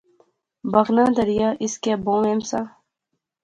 بغنا دریا ، اس کیا بہوں اہم سا